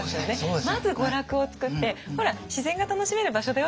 まず娯楽を作って「ほら自然が楽しめる場所だよ」